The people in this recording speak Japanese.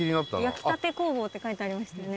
「焼きたて工房」って書いてありましたよね。